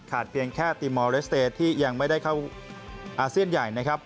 ขาดเพียงแค่ตีมอเลสเตสที่ยังไม่ได้เข้าอาเซียนใหญ่